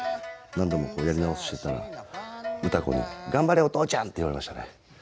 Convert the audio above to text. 何度もこうやり直してたら歌子に「ガンバれお父ちゃん！」って言われましたね。